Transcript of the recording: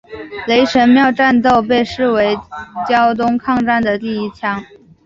雷神庙战斗被视为胶东抗战的第一枪。